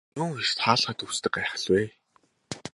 Юун эрт хаалгаа түгждэг гайхал вэ.